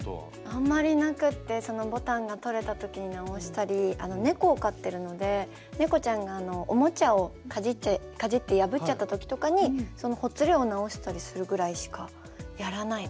あんまりなくってそのボタンが取れた時に直したり猫を飼ってるので猫ちゃんがおもちゃをかじって破っちゃった時とかにそのほつれを直したりするぐらいしかやらないですね。